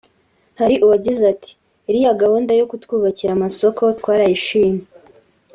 Hari uwagize ati “Iriya gahunda yo kutwubakira amasoko twarayishimye